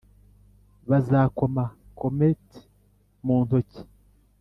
bazakoma comet mu ntoki?